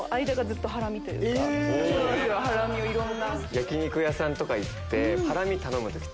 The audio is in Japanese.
焼き肉屋さんとか行って。